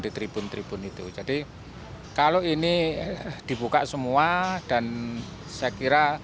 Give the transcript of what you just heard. di tribun tribun itu jadi kalau ini dibuka semua dan saya kira